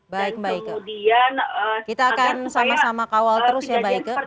dan kemudian agar agar kejadian seperti ini jadi lagi ya